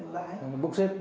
bãi bốc xếp hàng hóa